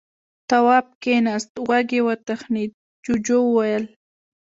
تواب کېناست. غوږ يې وتخڼېد. جُوجُو وويل: